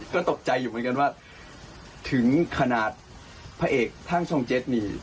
ก็ตกใจอยู่เหมือนกันว่าถึงขนาดพระเอกข้างช่องเจ็ดนี่